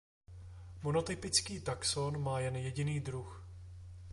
Monotypický taxon má jen jediný druh.